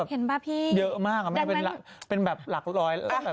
เห็นป่ะพี่เยอะมากอะแม่เป็นแบบหลักร้อย